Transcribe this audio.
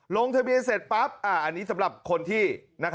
ลงทะเบียนเสร็จปั๊บอันนี้สำหรับคนที่